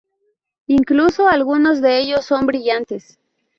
Incluso, algunos de ellos son brillantes.